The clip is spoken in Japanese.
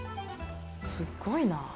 すっごいな。